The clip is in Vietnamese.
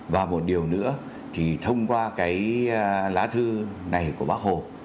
và một điều nữa thì thông qua cái lá thư này của bác hồ